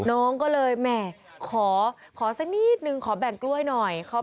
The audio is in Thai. น้องก็เลยแหมขอสักนิดนึงขอแบ่งกล้วยหน่อย